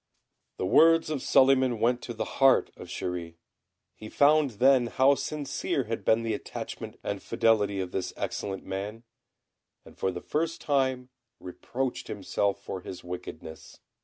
The words of Suliman went to the heart of Chéri. He found then how sincere had been the attachment and fidelity of this excellent man, and for the first time reproached himself for his wickedness.